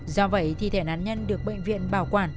do vậy thi thể nạn nhân được bệnh viện bảo quản